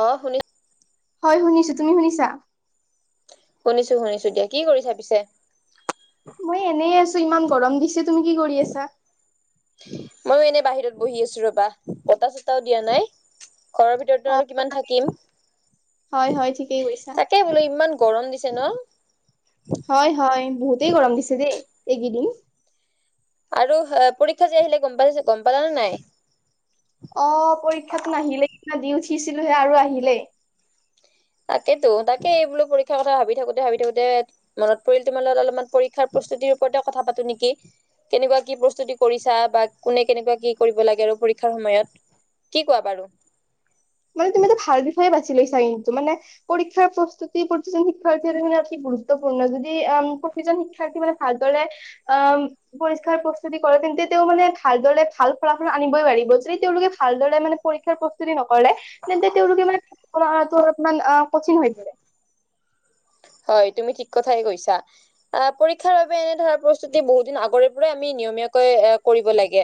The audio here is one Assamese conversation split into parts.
অ শুনি হয় শুনিছো। তুমি শুনিছা? শুনিছো শুনিছো দিয়া কি কৰিছা পিছে? মই এনেই আছো ইমান গৰম দিছে। তুমি কি কৰি আছা? ময়ো এনে বাহিৰত বহি আছো ৰবা বতাহ চটাও দিয়া নাই। ঘৰৰ অ ভিতৰতো আৰু কিমান তাকেইতো থাকিম। হয় হয় ঠিকেই কৈছা তাকে বোলো ইমান গৰম দিছে ন? হয় হয় বহুতেই গৰম দিছে দেই এইকেইদিন। আৰু পৰীক্ষা যে আহিলে গম পাইছ গম পালানে নাই? অ পৰীক্ষাতো আহিলেই সৈইদিনা দি উঠিছিলোহে আৰু আহিলেই তাকেতো তাকে এই বোলো পৰীক্ষাৰ কথা ভাবি থাকোতে ভাবি থাকোতে মনত পৰি তোমাৰ অলপমান পৰীক্ষাৰ প্ৰস্তুতি ৰ ওপৰতে কথা পতো নেকি, কেনেকুৱা কি প্ৰস্তুতি কৰিছা বা কোনে কেনেকুৱা কি কৰিব লাগে আৰু পৰীক্ষা সেই সময়ত কি কোৱা বাৰু? মানে তুমিটো ভাল বিষয়ে বাছি লৈছা মানে পৰীক্ষাৰ প্ৰস্তুতি শিকাৰ কাৰনে অতি গুৰুত্বপূৰ্ণ। যদি অ প্ৰতিজন শিক্ষাৰ্থী ভালদৰে অ পৰীক্ষাৰ প্ৰস্তুতি কৰিলেহেঁতেন তেতিয়াও ভালদৰে ভাল ফলাফল আনিবই পাৰিব। যদি তেওঁলোক ভালদৰে পৰীক্ষাৰ প্ৰস্তুতি নকৰে তেন্তে তেওঁ লোকে মানে কৰা অলপমান কঠিন হৈ পৰে। হয় তুমি ঠিক কথাই কৈছা। পৰীক্ষাৰ বাবে এনে ধৰা প্ৰস্তুতি বহু দিন আগৰে পৰা আমি নিয়মীয়াকৈ কৰিব লাগে।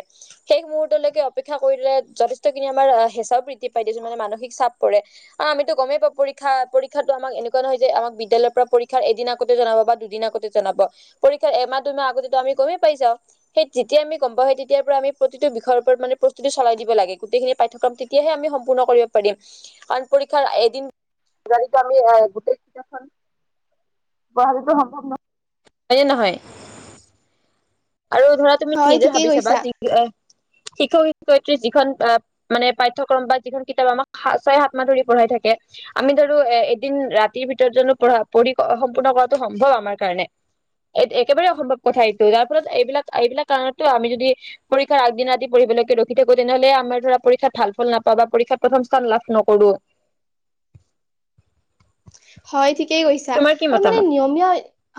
শেষ মুহূৰ্তলৈকে অপেক্ষা কৰিলে যথেষ্টখিনি আমাৰ হেঁচা প্ৰয়োগ পাই দিছো মানে মানসিক চাপ পৰে। আ আমিতো গমেই পা পৰীক্ষা পৰীক্ষাতো আমাক এনেকুৱা নহয় যে আমাক বিদ্যালয়ৰ পৰা পৰীক্ষাৰ এদিন আগতে জনাব বা দুদিন আগতে জনাব। পৰীক্ষাৰ এমাহ দুইমাহ আগতেটো আমি গমেই পাই যাওঁ। সেই যেতিয়া আমি গম পাও, তেতিয়াৰ পৰা আমি প্ৰতিটো বিষয়ৰ ওপৰত মানে প্ৰস্তুতি চলাই দিব লাগে। গোটেইখিনি পাঠক্ৰম তেতিয়াহে আমি সম্পূৰ্ণ কৰিব পাৰিম। কাৰণ পৰীক্ষাৰ এদিন জানো আমি এ গোটেইখন [unintelligible] সম্ভৱ নহয় হয়নে নহয় আৰু ধৰা তুমি হয় নিজে ঠিকেই ভাবিছাবা কৈছা শিক্ষক শিক্ষয়িত্ৰী যিখন মানে পাঠ্যক্ৰম বা যিখন কিতাপ আমাক ছয় সাত মাহ ধৰি পঢ়াই থাকে। আমি ধৰো এ এদিন ৰাতিৰ ভিতৰত জানো পঢ়া পঢ়ি সম্পূৰ্ণ কৰাটো সম্ভৱ আমাৰ কাৰণে। এই একেবাৰে অসম্ভৱ কথা এইটো তাত ত এইবিলাক এইবিলাক কাৰণতো আমি যদি পৰীক্ষাৰ আগদিনা আদি পঢ়িবলৈকে ৰখি থাকো তেনেহ'লে আমাৰ ধৰা পৰীক্ষাত ভাল ফল নাপাওঁ বা পৰীক্ষা প্ৰথম স্থান লাভ নকৰো। হয় ঠিকেই কৈছা তোমাৰ কি আৰু মানে মতামত? নিয়মীয়া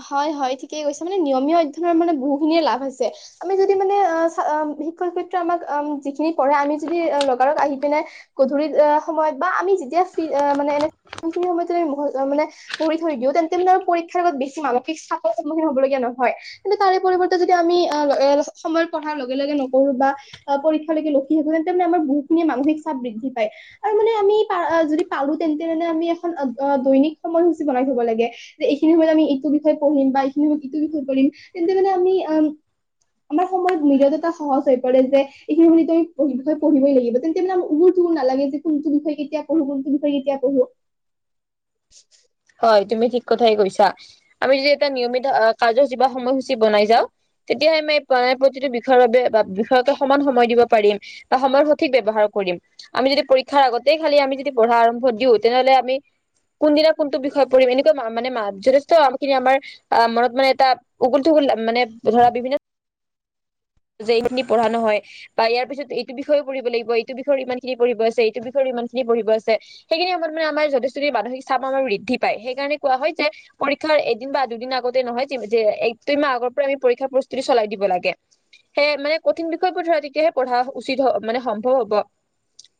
হয় হয়। কৈছে মানে নিয়মীয়া অধ্যয়নৰ মানে বহুখিনিয় লাভ আছে। আমি যদি মানে অ শিক্ষক শিক্ষয়িত্ৰী আমাক যিখিনি পঢ়াই আমি যদি লগা লগ আহি পিনে গধূলিত সময়ত বা আমি যেতিয়া ফ্ৰী মানে এনে সেইখিনি সময়ত যদি মানে পঢ়ি থৈ দিও, তেন্তে মানে আৰু পৰীক্ষাৰ আগত বেছি মানসিক চাপৰ সন্মুখীন হ'বলগীয়া নহয়। কিন্তু তাৰে যদি আমি সময় পঢ়াৰ লগে লগে নকৰো বা পৰীক্ষাকে ৰখি থাকো, তেন্তে আমাৰ বহুতখিনি মানসিক চাপ বৃদ্ধি পায়। আৰু মানে আমি যদি পালো তেন্তে, মানে আমি এখন দৈনিক সময়সূচী বনাই থ'ব লাগে। যে এইখিনি সময়ত আমি ইটোৰ বিষয়ে পঢ়িম, বা এইখিনি সময়ত ইটো বিষয়ে পঢ়িম। তেন্তে মানে আমি আম, [inaudible] আমাৰ সময়ত মীৰদতা সহজ হৈ পৰে যে, এইখিনি সময়ত তই পঢ়িবই লাগিব। তেন্তে মানে [unintelligible] টো নালাগে যে কোনটো বিষয় কেতিয়া পঢ়ো, কোনটো বিষয়ে কেতিয়া পঢ়ো? [inaudible] [inaudible] হয় তুমি ঠিক কথাই কৈছা। আমি যে এটা নিয়মিত কাৰ্যসূচী বা সময়সূচী বনাই যাও। তেতিয়াহে আমি প্ৰতিটো বিষয়ৰ বাবে বা বিষয়ক সমান সময় দিব পাৰিম। বা সময়ৰ সঠিক ব্যৱহাৰ কৰিম। আমি যদি পৰীক্ষাৰ আগতে খালি আমি যদি পঢ়া আৰম্ভ দিওঁ, তেনেহ'লে আমি কোনদিনা কোনটো বিষয় পঢ়িম, এনেকুৱা মানে যথেষ্ট খিনি আমাৰ মনত মানে এটা উগুল-ঠুগুল মানে ধৰা বিভিন্ন যে এইখিনি পঢ়া নহয়। বা ইয়াৰ পিছত এইটো বিষয়েও পঢ়িব লাগিব। এইটো বিষয়ে ইমানখিনি পঢ়িব আছে, এইটো বিষয়ৰ ইমানখিনি পঢ়িব আছে, সেইখিনি সময়ত মানে আমাৰ যথেষ্টখিনি মানসিক চাপ বৃদ্ধি পায় সেই কাৰণে কোৱা হয় যে পৰীক্ষাৰ এদিন বা দুদিন আগতে নহয় যে এক দুই মাহ আগৰ পৰাই [unintelligible] পৰীক্ষাৰ প্ৰস্তুতি চলাই দিব লাগে। সেয়ে মানে কঠিন বিষয়বোৰ ধৰা তেতিয়াহে পঢ়া উচিত হয়। মানে সম্ভৱ হ'ব।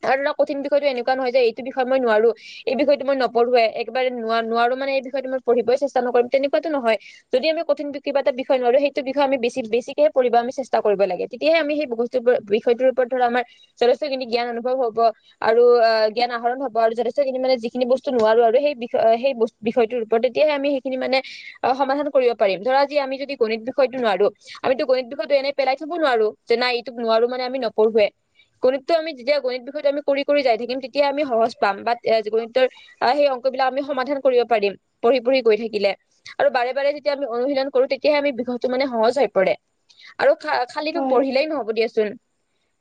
আৰু এটা কঠিন বিষয়টো এনেকুৱা নহয় যে, এইটো বিষয় মই নোৱাৰো। এই বিষয়টো মই নপঢ়োৱেই। একবাৰে নোৱা-নোৱাৰো মানে, এই বিষয়টো মই পঢ়িবই চেষ্টা নকৰিম তেনেকুৱাতো নহয়! যদি আমি কঠিন কিবা এটা বিষয় নোৱাৰো আৰু সেইটো বিষয়ে আমি বেছি-বেছিকেহে পঢ়িব আমি চেষ্টা কৰিব লাগে। তেতিয়াহে আমি সেই বস্তু, বিষয়টোৰ ওপৰত ধৰা আমাৰ যথেষ্টখিনি জ্ঞান অনুভৱ হ'ব। আৰু আ জ্ঞান আহৰণ হ'ব। আৰু যথেষ্টখিনি মানে সেই-সেই বিষয়টোৰ ওপৰত তেতিয়াহে আমি সেইখিনি মানে সমাধান কৰিব পাৰিম। ধৰা আজি আমি যদি গণ বিষয়টো নোৱাৰো। আমিতো গণিত বিষয়টো এনে পেলাই থ'ব নোৱাৰো যে নাই এইটোক নোৱাৰো মানে আমি নপঢ়োৱে। গণিতটো আমি যেতিয়া গণিত বিষয়টো আমি কৰি-কৰি যাই থাকিম, তেতিয়া আমি সহজ পাম বাট গণিতৰ আ সেই আমি সমাধান কৰিব পাৰিম পঢ়ি-পঢ়ি গৈ থাকিলে। আৰু বাৰে বাৰে যেতিয়া আমি অনুশীলন কৰো তেতিয়াহে আমি বিষয়টো মানে সহজ হৈ পৰে। আৰু খালি-খালিটো হয় পঢ়িলেই নহ'ব দিয়াচোন।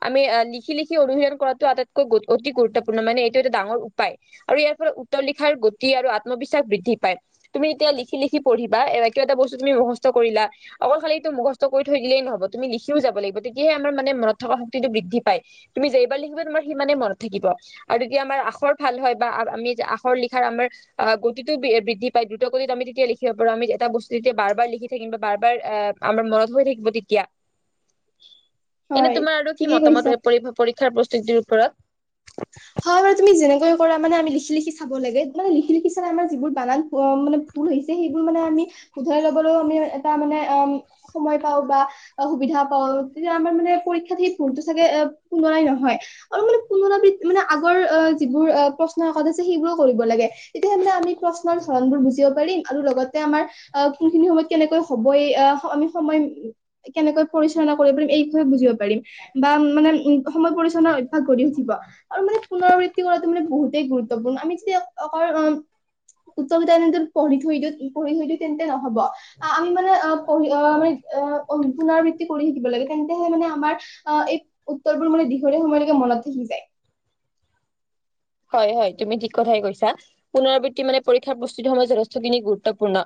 আমি লিখি-লিখি অনুশীলন কৰাটো আটাইতকৈ, অতি গুৰুত্বপূৰ্ণ। মানে এইটো এটা ডাঙৰ উপায়। আৰু ইয়াৰ পৰা উত্তৰ লি লিখাৰ গতি আৰু আত্মবিশ্বাস বৃদ্ধি পায়। তুমি যেতিয়া লিখি-লিখি পঢ়িবা, কিবা এটা বস্তু তুমি মুখস্থ কৰিলা অকল খালি এইটো মুখস্থ কৰি থৈ দিলেই নহ'ব। তুমি লিখিও যাব লাগিব, তেতিয়াহে আমাৰ মানে মনত থকা শক্তিটো বৃদ্ধি পায়। তুমি যেইবাৰ লিখিবা, তোমাৰ সিমানে মনত থাকিব। আৰু তেতিয়া আমাৰ আখৰ ভাল হয় বা আমি লিখাৰ আমাৰ গতিটো বৃদ্ধি পায়। দ্ৰুতগতিত আমি তেতিয়া লিখিব পাৰো। আমি এটা বস্তু তেতিয়া বাৰ-বাৰ লিখি থাকিম, বাৰ-বাৰ আহ আমাৰ মনত হৈ থাকিব, তেতিয়া এনে হয় তোমাৰ আৰু কি ঠিকেই মতামত কৈছা পৰীক্ষাৰ প্ৰস্তুতিৰ ওপৰত? হয় বাৰু! তুমি যেনেকৈ কৰা মানে আমি লিখি-লিখি চাব লাগে। মানে লিখি-লিখি চালে আমাৰ যিবোৰ বানান মানে [unintelligible] ভুল হৈছে, সেইবোৰ মানে আমি শুধৰাই ল'বলৈও আমি এটা মানে অ সময় পাওঁ বা সুবিধা পাও। তেতিয়া আমাৰ মানে পৰীক্ষাত সেই ভুলটো চাগে পুনৰাই নহয়। আৰু মানে পুনৰাবৃত্তি মানে আগৰ আ যিবোৰ প্ৰশ্নকাকত আছে সেইবোৰো কৰিব লাগে। তেতিয়াাহে মানে আমি প্ৰশ্নৰ ধৰণবোৰ বুজি [unintelligible] আৰু লগতে আমাৰ কোনখিনি সময়ত কেনেকৈ হ'ব‌ই আমি সময় পৰিচালনা কৰিব পাৰিম এই বুজিব পাৰিম। বা মানে উ সময় পৰিচালনাৰ অভ্যাস গঢ়ি উঠিব। আৰু মানে পুনৰাবৃত্তি কৰাটো মানে বহুতেই গুৰুত্বপূৰ্ণ। আমি যদি অ উত্তৰকেইটা যদি এনে পঢ়ি থৈ দিওঁ, পঢ়ি থৈ দিওঁ তেন্তে নহ'ব। আমি মানে পঢ়ি অ' মানে, পুনৰাবৃত্তি কৰি থাকিব লাগে। তেন্তেহে মানে আমাৰ অ এই উত্তৰবোৰ মানে দীঘলীয়া সময়লৈকে মনত থাকি যায়। হয় হয়। তুমি ঠিক কথাই কৈছা পুনৰাবৃত্তি মানে পৰীক্ষাৰ প্ৰস্তুতি সময়ত যথেষ্টখিনি গুৰুত্বপূৰ্ণ।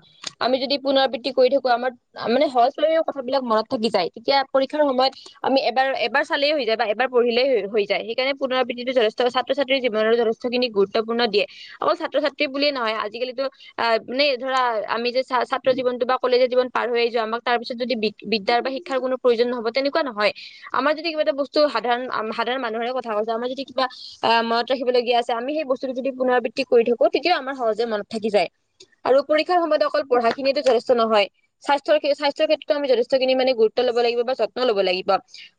আমি যদি পুনৰাবৃত্তি কৰি থাকো, আমাৰ মানে সহজভাৱে কথাবিলাক মনত থাকি যায়। তেতিয়া পৰীক্ষাৰ সময়ত আমি এবাৰ-এবাৰ চালেই হৈ যায়, বা এবাৰ পঢ়িলেই হৈ যায়। সেইকাৰণে পুনৰবৃত্তিতো যথেষ্ট ছাত্ৰ-ছাত্ৰী জীৱনত যথেষ্টখিনি গুৰুত্বপূৰ্ণ দিয়ে অকল ছাত্ৰ-ছাত্ৰী বুলিয়ে নহয় আজিকালিতো অ' মানে ধৰা [unintelligible] আমি যে ছাত্ৰ জীৱনটো বা কলেজ জীৱন পাৰ হৈ আহিছোঁ আমাক তাৰপিছত যদি বিদ্যাৰ বা শিক্ষাৰ কোনো প্ৰয়োজন নহব [unintelligible] তেনেকুৱা নহয় আমাৰ যদি কিবা এটা বস্তু সাধাৰণ-সাধাৰণ মানুহৰে কথা কৈছোঁ আমাৰ যদি কিবা আহ ম [unintelligible] [unintelligible] ৰাখিবলগীয়া আছে আমি সেই বস্তুতটো যদি পুনৰাবৃত্তি কৰি থাকো তেতিয়াও আমাৰ সহজে মনত থাকি যায় আৰু পৰীক্ষা সময়ত [unintelligible] [unintelligible] অকল পঢ়াখিনিয়েতো যথেষ্ট নহয় স্বাস্থ্যৰ-স্বাস্থ্যৰ ক্ষেত্ৰত আমি যথেষ্টখিন মানে গুৰুত্ব ল'ব লাগিব বা যত্ন [unintelligible] ল'ব লাগিব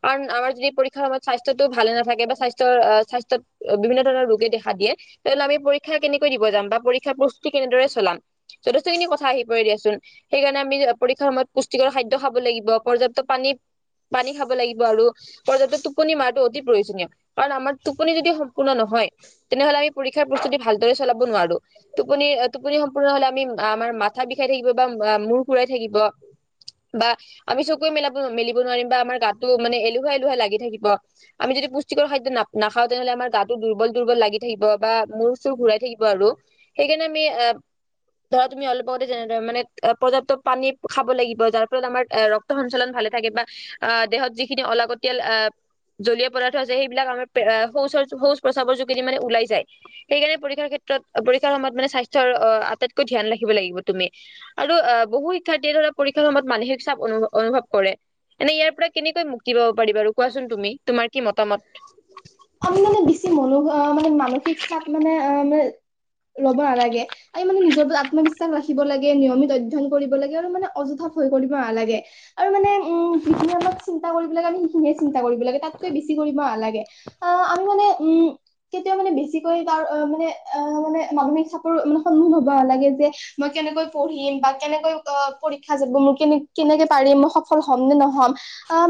কাৰণ আমাৰ যদি পৰীক্ষাৰ সময়ত স্বাস্থ্যটো ভালে নাথাকে বা স্বাস্থ্যৰ স্বাস্থ্য [unintelligible] বিভিন্ন ধৰণৰ ৰোগে দেখা দিয়ে তেনেহলে আমি পৰীক্ষা ক্ষ কেনেকৈ দিব যাম বা পৰীক্ষা প্ৰস্তুতি কেনেদৰে চলাম। [unintelligible] যথেষ্টখিনি কথা আহি পৰে দিয়াচোন সেইকাৰণে আমি পৰীক্ষাৰ সময়ত পুষ্টিকৰ খাদ্য খাব লাগিব। পৰ্যাপ্ত পানী [unintelligible] পানী খাব লাগিব আৰু পৰ্যাপ্ত টোপনি মাৰটো অতি প্ৰয়োজনীয় কাৰণ আমাৰ টোপনি যদি [unintelligible] সম্পূৰ্ণ নহয় তেনেহলে আমি পৰীক্ষাৰ প্ৰস্তুতি ভালদৰে চলাব নোৱাৰো। টোপনি-টোপনি সম্পূৰ্ণ হ'লে আমি [unintelligible] আমাৰ মাথা বিষাই থাকিব বা মূৰ ঘুৰাই থাকিব। [unintelligible] বা আমি চকুৱে মেলাব-মেলিব নোৱাৰিম বা আমাৰ গাত [unintelligible] [unintelligible] মানে এলেহুৱা-এলেহুৱা লাগি থাকিব আমি যদি পুষ্টিকৰ খাদ্য নাখাওঁ তেনেহলে আমাৰ গাত [unintelligible] টো দুৰ্বল-দুৰ্বল লাগি থাকিব বা মূৰ-চুৰ ঘূৰাই থাকিব আৰু সেইকাৰণে আমি আহ [unintelligible] ধৰা তুমি অলপ আগতে যেনে, মানে পৰ্যাপ্ত পানী খাব লাগিব। যাৰ ফলত আমাৰ ৰক্ত সঞ্চালন ভাল- লে থাকে, বা দেহত যিখিনি অল- জলীয় পদাৰ্থ হৈছে, সেইবিলাক আমাৰ শৌ শৌ- প্ৰসাৱৰ যোগেদি মানে ওলাই যায়। সেইকাৰনে পৰীক্ষাৰ ক্ষেত্ৰত পৰীক্ষাৰ সময়ত মানে স্বাস্থ্যৰ অ আটাইতকৈ ধ্যান ৰাখে। লাগিব তুমি আৰু আহ বহু শিক্ষাৰ্থীয়ে ধৰা পৰীক্ষাৰ সময়ত মানসিক চাপ অনুভৱ কৰে। এনে ইয়াৰ পৰা কেনেকৈ মুক্তি পাব পাৰি বাৰু কোৱাচোন তুমি তোমাৰ কি মতামত? আমি মানে বেছি মনো অ' মানে মানসিক চাপ মানে অ'- ল'ব নালাগে আৰু মানে নিজৰ ওৰত আত্মবিশ্বাস ৰাখিব লাগে। নিয়মিত অধ্যয়ন কৰিব লাগে আৰু মানে অযথা- কৰিব নালাগে। আৰু মানে উম যিখিনি আমাক চিন্তা কৰিব লাগে আমি সেইখিন- চ কৰিব লাগে, তাতকৈ বেছি কৰিব নালাগে। আহ আমি মানে উম কেতিয়াও মানে বেছিকৈ তাৰ অ মানে অ মানে মামী চাপৰ মানে সন্মমান [unintelligible] হব নালাগে যে, মই কেনে কেনেকৈ পঢ়িম বা কেনেকৈ অ' পৰীক্ষা যাব মোৰ কেনে কেনেকে পাৰিম মই সফল হ'ম নে নহ'ম।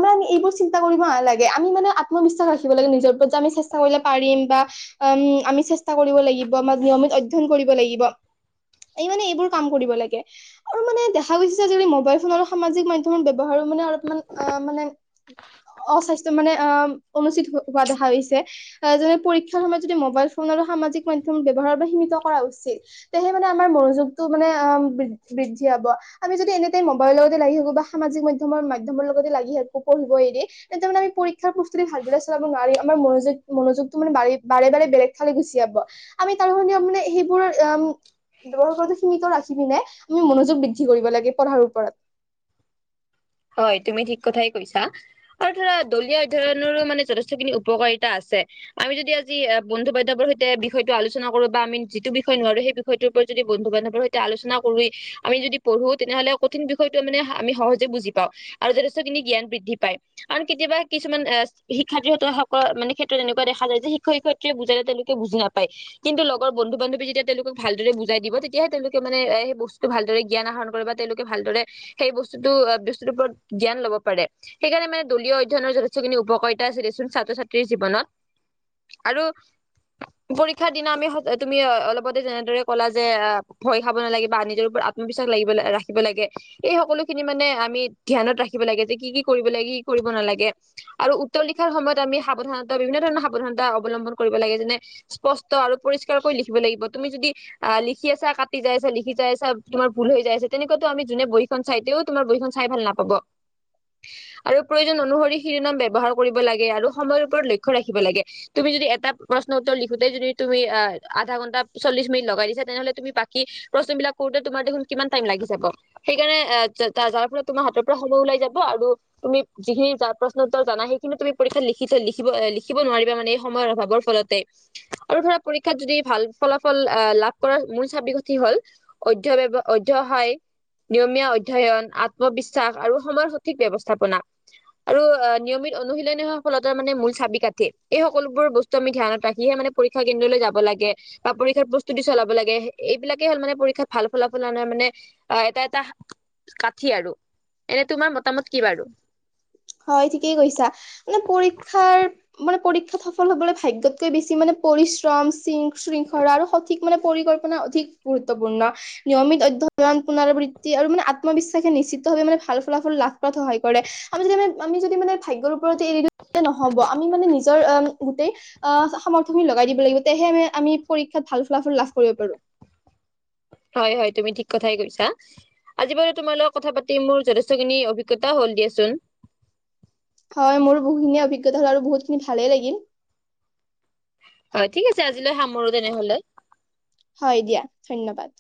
ম এইবোৰ চি - কৰিব নালাগে। আমি মানে আত্মবিশ্বাস ৰাখিব লাগে, নিজৰ ওপৰত আমি চেষ্টা কৰিলে পাৰিম বা উম আমি কৰিব লাগিব, নিয়মিত অধ্যয়ন কৰিব লাগিব। এই মানে এইবোৰ কাম কৰিব লাগে আৰু মানে দেখা গৈছে যে, যদি মোবাইল ফোন আৰু সামাজিক মাধ্যমৰ ব্যৱহাৰ মান অলপমান অ' মানে, হয় [unintelligible] অস্বাস্থ্য মানে অ' অনুচিত হোৱা দেখা হৈছে। যেনে পৰীক্ষাৰ সময়ত যদি মোবাইল ফোনৰ- সামাজিক মাধয়ম ব্যৱহাৰৰ সীমিত কৰা উচিত। তেহে মানে আমাৰ মনোযোগটো মানে বৃ- দ্ধি হ'ব। আমি যদি এনিটাইম মবালইৰ লগতে লাগি থাকো বা সামাজিক মাধ্যমৰ মাধ্যম লগতে লাগি থাকো পঢ়িব এৰি, তাৰানেমি [unintelligible] পৰীক্ষাৰ প্ৰস্তুতি ভালদৰে চলাব নোৱাৰিম, আমাৰ মনোযোগ মনোযোগটো মান বাৰে বাৰে বাৰে বেলেগ ফালে গুচি, আমি তাৰ মানে সেইবোৰ, ৰো সীমিত ৰাখি পিনে আমি মনোযোগ বৃদ্ধি কৰিব লাগে পঢ়াৰ ওপৰত। [inaudible] হয় তুমি ঠিক কথাই কৈছা আৰু ধৰা দলিয় অধ্যয়নৰো মানে যথেষ্টখিনি উপকাৰিতা আছে। আমি যদি আজি বন্ধু বান্ধৱৰ সৈতে বিষয়টো আলোচনা কৰো বা আমি যিটো বিষয় নোৱাৰো, সেই বিষয়টোৰ ওপৰত - যদি বন্ধু বান্ধৱৰ সৈতে আলোচনা কৰি আমি যদি পঢ়ো, তেনেহ'লে কঠিন বিষয়টো মানে আমি সহজে বুজিম। আৰু যথেষ্টখিনি জ্ঞান বৃদ্ধি পায়, কাৰণ কেতিয়াবা কিছুমান শিক্ষাৰ্থ মানে ক্ষেত্ৰত- তেনেকুৱা দেখ য যে শিক্ষ শিক্ষয়ে বুজালে তেওঁলোকে বুজ নাপায়, কিন্ত লগৰ বন্ধু বান্ধৱী যেতিয়া তেওঁলোকক ভালদৰে বুজাই দিব, তেতিয়াহে তেওঁলোকে মানে সেই বস্তুটো ভালদৰে জ্ঞান আহৰণ কৰিব বা তেওঁলোকে ভালদৰে সেই বস্তুটো ওপৰত জ্ঞান ল'ব পাৰে। সেইকাৰণে মানে দলীয় অধয়নৰ যেখিনি উপকাৰিতা আছিল দেচোন ছাত্ৰ ছাত্ৰীৰ জীৱনত, আৰু পৰীক্ষাৰ দিনা আমি তুমি অলপতে যেনেদৰে ক'লা যে ভয় খাব নালাগে বা নিজৰ, আত্মবিশ্বাস লাগিব ল ৰাখিব লাগে। এই সকলো খিনি মানে আমি ধ্যানত ৰাখিব লাগে, যে কি কি কৰিব লাগে, কি কৰিব নালাগে আৰু উত্তৰ লিখাৰ সময়ত আমি সাৱধানতা বিভিন্ন- তেনে ধৰণৰ সাৱধানতা অৱলম্বন কৰিব লাগে, যেনে স্পষ্ট আৰু পৰিষ্কাৰকৈ লিখিব লাগিব। তুমি যদি আহ লিখি আছা কাটি যাইছা, লিখি যাইছা, তোমাৰ ভুল হৈ যাই আছে। তেনেকুৱাত আমি বহিখন চাই তেও তোমাৰ, খন চাই ভাল নাপাব। আৰু প্ৰয়োজন অনুসৰি শিৰোনাম ব্যৱহাৰ কৰিব লাগে, আৰু সময়ৰ ওপৰত লক্ষ্য ৰাখিব লাগে। তুমি যদি এটা প্ৰশ্ন উত্তৰ লিখোতেই যদি তুমি অ আধা ঘন্টা চল্লিশ মিনিট লগাই দিছা, তেনেহ'লে তুমি বাকি প্ৰশ্ন বিলাক কৰোতে তোমাৰ দেখোন কিমান টাইম লাগি যাব। সেইকাৰণে যাৰ পৰা তোমাৰ হাতৰ সময় ওলাই যাব আৰু তুমি যিখিনি প্ৰশ্ন উত্তৰ জানা, সেইখিনি তুমি পৰীক্ষাত লিখি লিখিব লিখিব নোৱাৰিবা মানে সময়ৰ অভাৱৰ ফলতে। আৰু ধৰা যদি পৰীক্ষাত ভাল ফলাফল লাভ কৰা - [unintelligible] হল অধ্য়, অধ্যায় নিয়মীয়া অধ্যয়ন আত্মবি্স [unintelligible] আৰু সময়ৰ সঠিক ব্যৱস্থাপনা। আৰু নিয়মিত অনুশীলনি সফলতাৰ মানে মূল চাবি কাঠি। এই সকলোবোৰ বস্তু আমি ধ্যানত ৰাখিহে - মানে পৰীক্ষা কেন্দ্ৰলৈ যাব লাগে বা পৰীক্ষাৰ প্ৰস্তুতি চলাব লাগে। এইবিলাকে হ'ল মানে পৰীক্ষাত ভাল ফলাফল - মানে এটা এটা কাঠি আৰু। এনে তোমাৰ মতামত কি বাৰু? হয় ঠিকেই কৈছা। মানে পৰীক্ষাৰ মানে পৰীক্ষাত সফল হবলৈ ভাগ্যতকৈ বেছি মানে, পৰিশ্ৰম শৃং শৃংখল আৰু সঠিক মানে পৰিকল্পনা অধিক গুৰুত্বপূৰ্ণ। নিয়মিত অধ্যয়ন, পুনৰাবৃত্তি আৰু মানে আত্মবিশ্বাসে নিশ্চিতভাৱে মানে ভাল ফলাফল লাভ কৰাত সহায় কৰে। আমি যদি মানে আমি যদি মানে ভাগ্যৰ ওপৰতে এৰি দিওঁ নহ'ব আমি মানে নিজৰ গোটেই আহ সামৰ্থয়খিনি লগাই দিব লাগিব। তেহে আ আমি পৰীক্ষাত ভাল ফলাফল লাভ কৰিব পাৰো। হয় হয় তুমি ঠিক কথাই কৈছা। আজি বাৰু তোমাৰ লগত কথা পাতি মোৰ যথেষ্টখিনি অভিজ্ঞতা হল দিয়াচোন। হয় মোৰো বহুতখিনি অভিজ্ঞতা হল আৰু বহুত খিনি ভালেই লাগিল। হয় ঠিক আছে আজিলৈ সামৰো তেনেহলে। হয় দিয়া ধন্যবাদ।